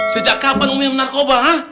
sejak kapan umi yang narkoba